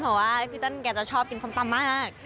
เพราะว่าพี่เติ้ลแกจะชอบกินส้มตำมาก